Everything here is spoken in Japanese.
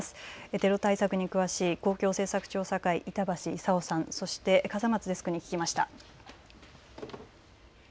テロ対策に詳しい公共政策調査会、板橋功さん、そして笠松デスクに聞きました。